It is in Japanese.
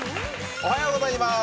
おはようございます。